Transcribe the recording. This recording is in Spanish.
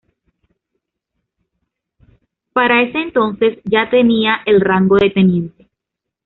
Para ese entonces ya tenía el rango de Tte.